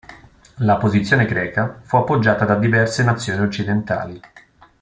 La posizione greca fu appoggiata da diverse nazioni occidentali.